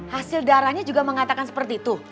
hasil darahnya juga mengatakan seperti itu